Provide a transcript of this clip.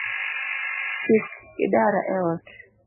Kik idara eot